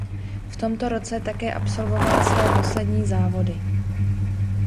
V tomto roce také absolvovala své poslední závody.